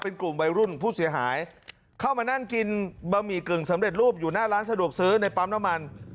เป็นกลุ่มวัยรุ่นผู้เสียหายเข้ามานั่งกินบะหมี่กึ่งสำเร็จรูปอยู่หน้าร้านสะดวกซื้อในปั๊มน้ำมัน